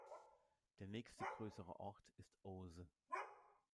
Der nächste größere Ort ist Eauze.